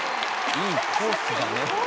「“いいコースだね”」